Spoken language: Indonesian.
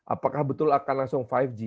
apakah betul akan langsung lima g